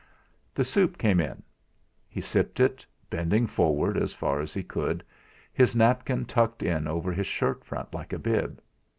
The soup came in. He sipped it, bending forward as far as he could, his napkin tucked in over his shirt front like a bib.